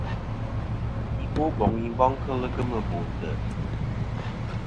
I Boboŋ i boŋ kel kemɨ bò ntè'.